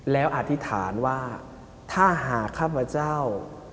แล้วอธิษฐานว่าถ้าหากข้าพเจ้า